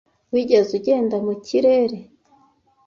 Wigeze ugenda mu kirere?